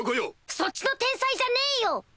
そっちの「てんさい」じゃねえよ！